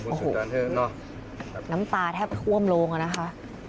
โอโหน้ำตาแทบจะมาได้โลกนะคะ